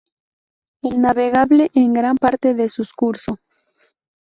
Es navegable en gran parte de sus curso.